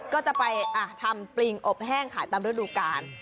ก็จะไปทำปริงอบแห้งขายตามฤดูกาล